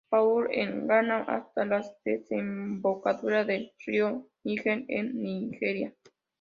Paul, en Ghana, hasta la desembocadura del río Níger en Nigeria.